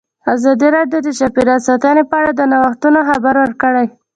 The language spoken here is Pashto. ازادي راډیو د چاپیریال ساتنه په اړه د نوښتونو خبر ورکړی.